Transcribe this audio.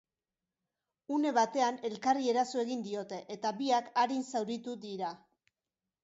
Une batean elkarri eraso egin diote eta biak arin zauritu dira.